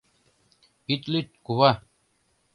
— Ит лӱд, кува.